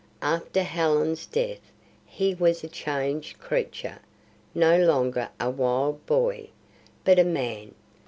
After Helen's death he was a changed creature; no longer a wild boy, but a man.